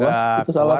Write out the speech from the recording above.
bukan di rumah loh mas